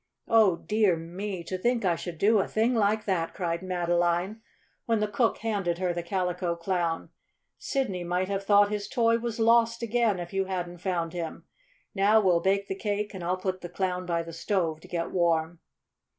"Oh, dear me! To think I should do a thing like that!" cried Madeline, when the cook handed her the Calico Clown. "Sidney might have thought his toy was lost again if you hadn't found him. Now we'll bake the cake, and I'll put the Clown by the stove to get warm."